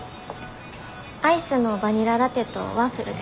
アイスのバニララテとワッフルで。